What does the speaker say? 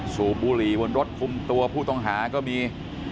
สูบบุหรี่บนรถคุมตัวผู้ต้องหาก็มี